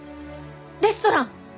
レストラン！